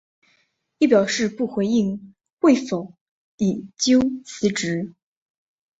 又表示不回应会否引咎辞职。